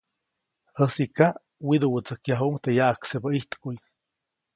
Jäsiʼka widuʼwätsäjkuʼuŋ teʼ yaʼaksebä ijtkuʼy.